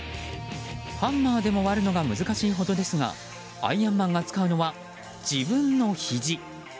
ハンマーでも割るのが難しいほどですがアイアンマンが使うのは自分のひじ。